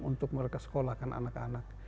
untuk mereka sekolahkan anak anak